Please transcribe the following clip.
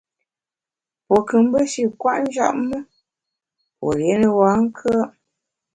Pue nkù mbe shi nkwet njap me, pue rié ne bankùe’.